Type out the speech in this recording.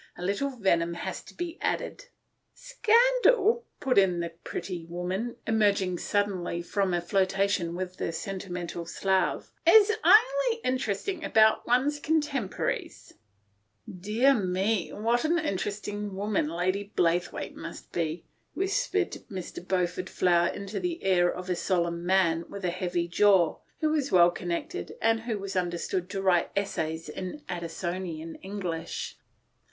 A little venom has to be added." " Scandal," put in the pretty woman, emerg ing suddenly from a flirtation with the senti mental Slav, " is only interesting about one's contemporaries." A KETTLEDRUM AT LADY JANE 1 8. 105 " Dear me, what an interesting woman Lady Blaythewaite must be," whispered Mr. Beau fort Flower into the ear of a solemn man with a heavy jaw, who was well connected, and who was understood to write essays in Addi sonian English.